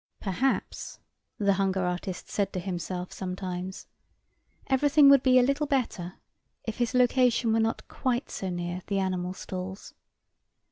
Perhaps, the hunger artist said to himself sometimes, everything would be a little better if his location were not quite so near the animal stalls.